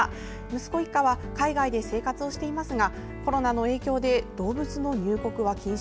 息子一家は海外で生活していますがコロナの影響で動物の入国は禁止。